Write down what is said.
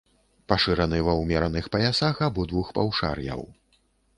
Пашыраны ва ўмераных паясах абодвух паўшар'яў.